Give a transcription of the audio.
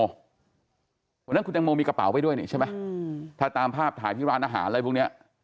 วันนั้นคุณตังโมมีกระเป๋าไปด้วยนี่ใช่ไหมถ้าตามภาพถ่ายที่ร้านอาหารอะไรพวกเนี้ย